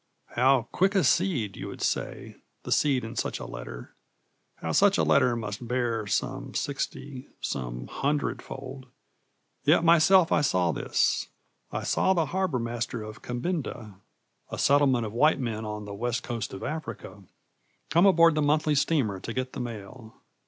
How quick a seed, you would say, the seed in such a letter! How such a letter must bear, some sixty , some an hundred fold! Yet myself I saw this: I saw the harbor master of Kabinda, a settlement of white men on the west coast of Africa, come aboard the monthly steamer to get the mail.